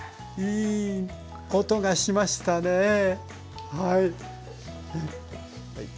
いい音がしましたねはい。